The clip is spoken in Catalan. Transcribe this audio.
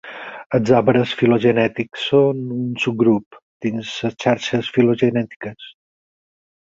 Els arbres filogenètics són un subgrup dins les xarxes filogenètiques.